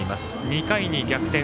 ２回に逆転。